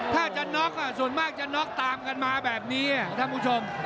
ถ้าจะน็อกส่วนมากจะน็อกตามกันมาแบบนี้ท่านผู้ชม